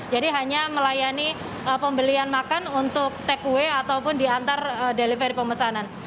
jadi hanya melayani pembelian makan untuk takeaway ataupun diantar delivery pemesanan